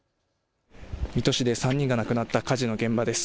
水戸市で３人が亡くなった火事の現場です。